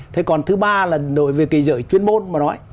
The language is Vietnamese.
thế còn thứ ba là đối với cái giới chuyên môn